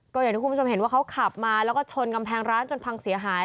ก็อย่างที่คุณผู้ชมเห็นว่าเขาขับมาแล้วก็ชนกำแพงร้านจนพังเสียหาย